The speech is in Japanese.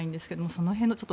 その辺は。